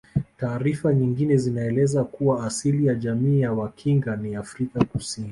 Taarifa nyingine zinaeleza kuwa asili ya jamii ya Wakinga ni Afrika Kusini